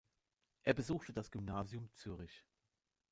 Er besuchte das Gymnasium Zürich.